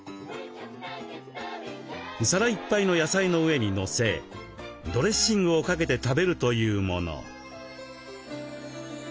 皿いっぱいの野菜の上にのせドレッシングをかけて食べるというもの。